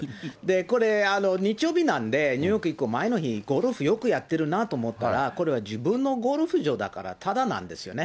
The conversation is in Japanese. これ、日曜日なんで、ニューヨーク前の日、ゴルフよくやってるなと思ったら、これは自分のゴルフ場だから、ただなんですよね。